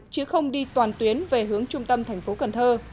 chứ không đi toàn tuyến về hướng trung tâm thành phố cần thơ